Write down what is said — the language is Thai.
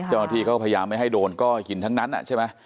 เจ้าหน้าที่ก็พยายามไม่ให้โดนก็หินทั้งนั้นใช่ไหม